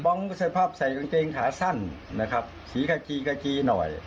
สภาพใส่กางเกงขาสั้นนะครับสีกากีกากีหน่อย